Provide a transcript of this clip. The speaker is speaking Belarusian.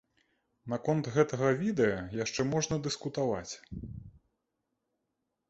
Наконт гэтага відэа яшчэ можна дыскутаваць.